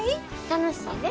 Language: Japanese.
楽しいで。